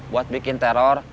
buat bikin teror